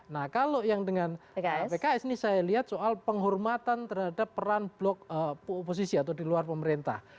nah kalau yang dengan pks ini saya lihat soal penghormatan terhadap peran blok oposisi atau di luar pemerintah